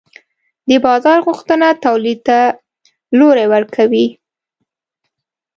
د بازار غوښتنه تولید ته لوری ورکوي.